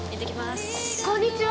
こんにちは。